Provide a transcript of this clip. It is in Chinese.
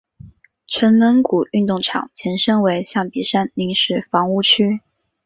城门谷运动场前身为象鼻山临时房屋区。